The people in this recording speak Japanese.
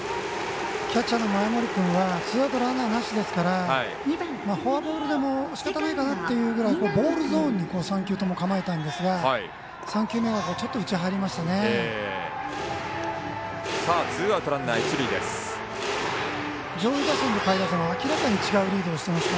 キャッチャーの前盛君はツーアウトランナーなしなのでフォアボールでもしかたないかなというぐらいボールゾーンに３球とも構えたんですが３球目がちょっと内に入りました。